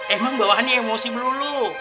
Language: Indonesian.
emang bawahannya emosi melulu